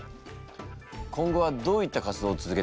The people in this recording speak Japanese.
今後はどういった活動を続けていくんだ？